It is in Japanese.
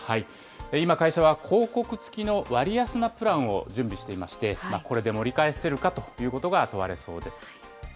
今、会社は広告付きの割安なプランを準備していまして、これで盛り返せるかということが問われそうです。